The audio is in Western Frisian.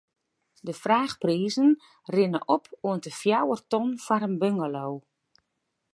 De fraachprizen rinne op oant de fjouwer ton foar in bungalow.